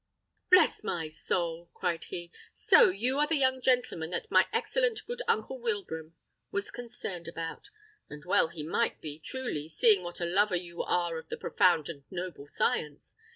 "Bless my soul!" cried he; "so you are the young gentleman that my excellent good uncle Wilbraham was concerned about; and well he might be, truly, seeing what a lover you are of the profound and noble science.